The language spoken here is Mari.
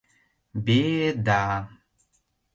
– Б-э-э-э-э-да...